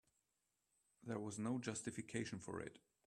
There was no justification for it.